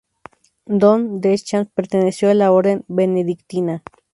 Dom Deschamps perteneció a la orden benedictina.